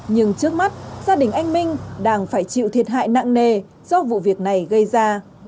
nhưng trước mắt gia đình anh minh đang phải chịu thiệt hại nặng nề do vụ việc này gây ra